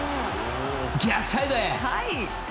逆サイドへ！